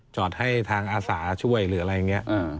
จอดให้ทางอาสาช่วยหรืออะไรอย่างนี้